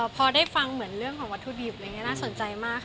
พอฟังวัตถุดีบน่าสนใจนกมาก